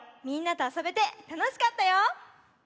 みんなとあそべてたのしかったよ！